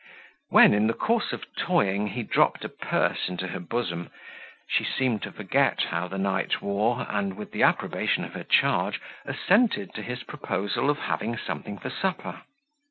When in the course of toying he dropped a purse into her bosom, she seemed to forget how the night wore, and, with the approbation of her charge, assented to his proposal of having something for supper.